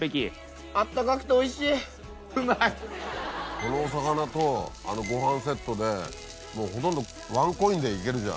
この魚とあのご飯セットでもうほとんどワンコインでいけるじゃん。